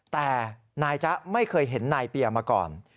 แต่นายจ๊ะไม่เคยเห็นนายเปียมาก่อน